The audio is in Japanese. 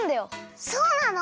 そうなの？